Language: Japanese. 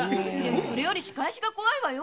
それより仕返しが怖いわよ